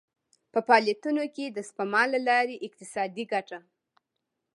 په فعالیتونو کې د سپما له لارې اقتصادي ګټه.